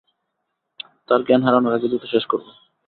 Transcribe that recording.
তার জ্ঞান হারানোর আগেই দ্রুত শেষ করব।